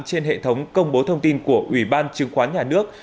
trên hệ thống công bố thông tin của ủy ban chứng khoán nhà nước